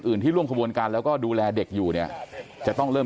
ที่ร่วมขบวนการแล้วก็ดูแลเด็กอยู่เนี่ยจะต้องเริ่ม